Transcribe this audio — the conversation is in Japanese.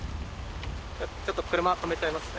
ちょっと車止めちゃいますね。